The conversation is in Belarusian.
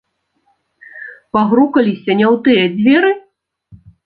Пагрукаліся не ў тыя дзверы?